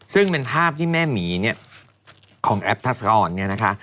ซึ่งเป็นภาพที่แม่หมีเนี่ยของแอปทัศกรเนี่ยนะคะ